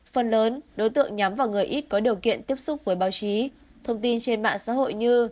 phần lớn đối tượng nhắm vào người ít có điều kiện tiếp xúc với báo chí thông tin trên mạng xã hội như